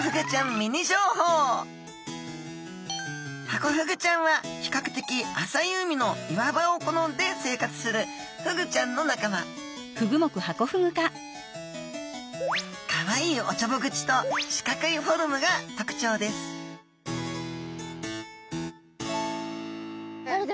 ハコフグちゃんは比較的浅い海の岩場を好んで生活するフグちゃんの仲間かわいいおちょぼ口と四角いフォルムが特徴ですあれ？